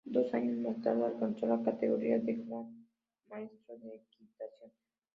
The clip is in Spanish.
Dos años más tarde alcanzó la categoría de Gran Maestro de Equitación.